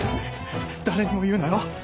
誰にも言うなよ。